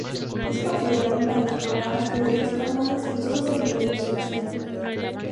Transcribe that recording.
Es considerado uno de los programas periodísticos más exitosos en la televisión chilena.